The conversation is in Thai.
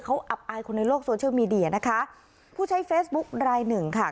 เขาอับอายคนในโลกโซเชียลมีเดียนะคะผู้ใช้เฟซบุ๊คลายหนึ่งค่ะ